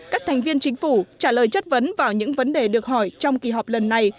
các thành viên chính phủ trả lời chất vấn vào những vấn đề được hỏi trong kỳ họp lần này